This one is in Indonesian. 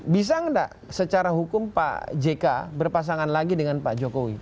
bisa nggak secara hukum pak jk berpasangan lagi dengan pak jokowi